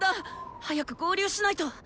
早く合流しないと。